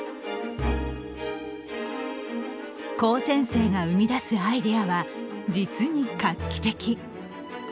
高専生が生み出すアイデアは実に画期的。